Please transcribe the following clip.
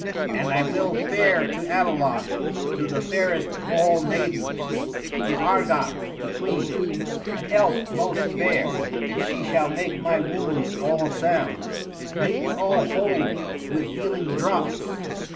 And I will fare to Avalon, to the fairest of all maidens, to Argante the queen, an elf most fair, and she shall make my wounds all sound, make me all whole with healing draughts.